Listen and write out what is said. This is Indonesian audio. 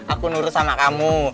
aku nurut sama kamu